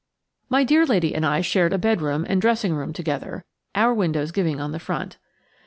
My dear lady and I shared a bedroom and dressing room together, our windows giving on the front.